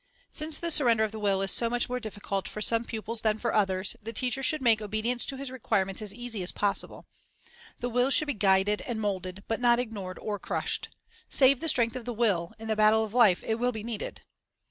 Since the surrender of the will is so much more diffi cult for some pupils than for others, the teacher should make obedience to his requirements as easy as possible. Discipline 289 The will should be guided and moulded, but not ignored or crushed. Save the strength of the will; in the battle of life it will be needed.